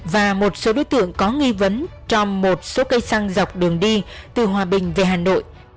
và một số đối tượng có nghi vấn trong một số cây xăng dọc đường đi từ hòa bình về hà nội